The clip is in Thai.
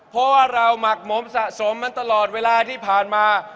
เพราะว่าเราหมักหมมสะสมมันตลอดเวลาที่ผ่านมา